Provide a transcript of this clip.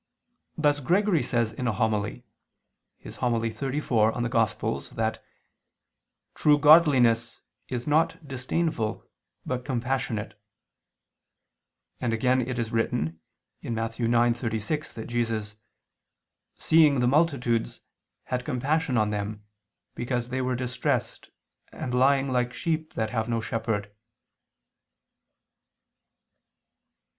Thus Gregory says in a homily (Hom. in Evang. xxxiv) that "true godliness is not disdainful but compassionate," and again it is written (Matt. 9:36) that Jesus "seeing the multitudes, had compassion on them: because they were distressed, and lying like sheep that have no shepherd."